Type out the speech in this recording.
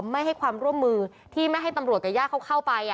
ไม่ให้ความร่วมมือที่ไม่ให้ตำรวจกับญาติเขาเข้าไป